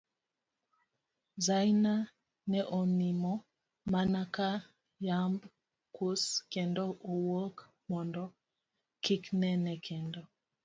Zaina ne onimo mana ka yamb kus kendo owuok, mondo kik nene kendo.